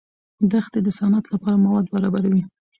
دښتې د صنعت لپاره مواد برابروي.